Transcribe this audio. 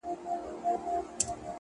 خلک خندونکي پروګرامونه خوښوي